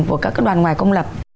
của các đoàn ngoài công lập